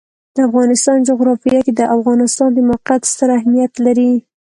د افغانستان جغرافیه کې د افغانستان د موقعیت ستر اهمیت لري.